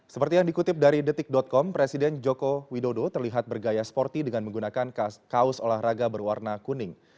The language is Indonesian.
seperti yang dikutip dari detik com presiden joko widodo terlihat bergaya sporty dengan menggunakan kaos olahraga berwarna kuning